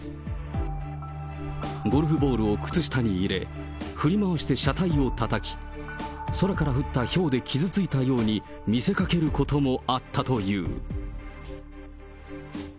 ゴルフボールを靴下に入れ、振り回して車体をたたき、空から降ったひょうで傷ついたように見せかけることもあったという。